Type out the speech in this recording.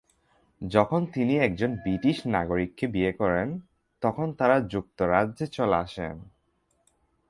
যখন তিনি একজন ব্রিটিশ নাগরিককে বিয়ে করেন তখন তারা যুক্তরাজ্যে চলে আসেন।